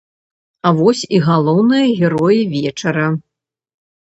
А вось і галоўныя героі вечара.